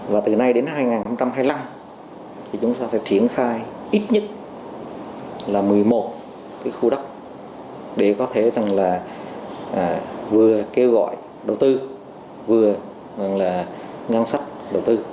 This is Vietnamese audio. và từ nay đến hai nghìn hai mươi năm chúng ta sẽ triển khai ít nhất một mươi một khu đất để có thể vừa kêu gọi đầu tư vừa ngân sách đầu tư